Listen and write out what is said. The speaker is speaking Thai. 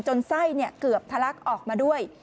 ไส้เกือบทะลักออกมาด้วย